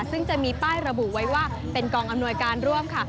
ซึ่งจะมีป้ายระบุไว้ว่าเป็นกองอำนวยการร่วมค่ะ